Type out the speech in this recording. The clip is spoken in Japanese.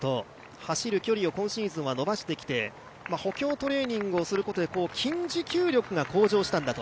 走る距離を今シーズンは伸ばしてきて補強トレーニングをすることで筋持久力が向上したんだと。